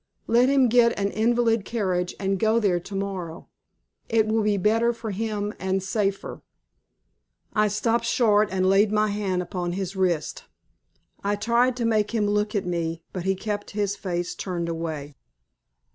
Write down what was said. Let him get an invalid carriage and go there to morrow. It will be better for him and safer." I stopped short, and laid my hand upon his wrist. I tried to make him look at me; but he kept his face turned away.